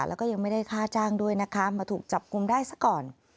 แล้วก็ยังไม่ได้ค่าจ้างด้วยนะคะมาถูกจับกลุ่มได้ซะก่อน